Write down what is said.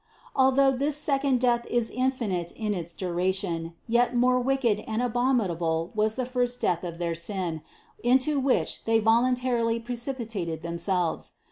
Although this second death is infinite in its duration, yet more wicked and abominable was the first death of their sin, into which they voluntarily precipitated themselves.